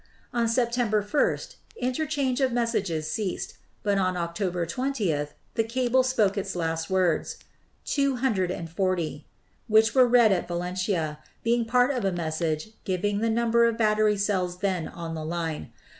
On September i interchange of messages ceased ; but on October 20 the cable spoke its last words — "two hundred and forty" — which were read at Valentia, being part of a message giving the number of battery cells then on the line.